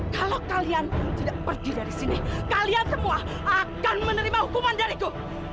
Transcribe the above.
kalau kalian tidak pergi dari sini kalian semua akan menerima hukuman dariku